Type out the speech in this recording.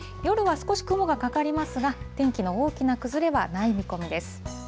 夜は少し雲がかかりますが、天気の大きな崩れはない見込みです。